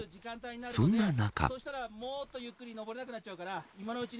そんな中。